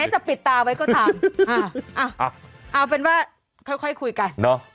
แม้จะปิดตาไว้ก็ตามอ่าอ่าเอาเป็นว่าค่อยค่อยคุยกันเนอะ